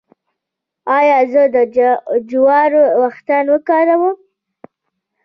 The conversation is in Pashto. ایا زه د جوارو ويښتان وکاروم؟